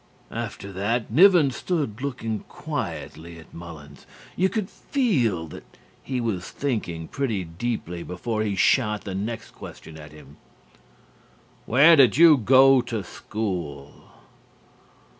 After that, Nivens stood looking quietly at Mullins. You could feel that he was thinking pretty deeply before he shot the next question at him. "Where did you go to school?"